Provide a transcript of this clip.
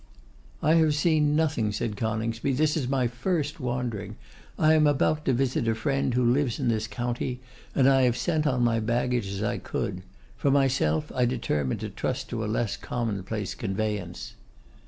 'I have seen nothing,' said Coningsby; 'this is my first wandering. I am about to visit a friend who lives in this county, and I have sent on my baggage as I could. For myself, I determined to trust to a less common place conveyance.